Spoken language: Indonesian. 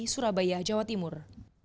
surabaya jawa timur